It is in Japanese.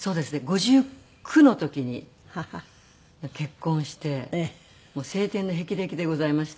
５９の時に結婚をして青天の霹靂でございました。